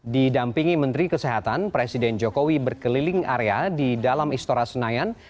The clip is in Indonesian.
didampingi menteri kesehatan presiden jokowi berkeliling area di dalam istora senayan